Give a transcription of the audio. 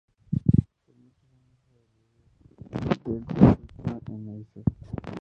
Por muchos años fue el líder del circuito en aces.